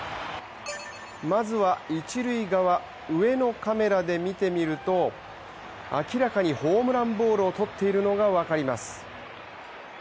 まずは一塁側上のカメラで見てみると明らかにホームランボールをとっているのが分かります。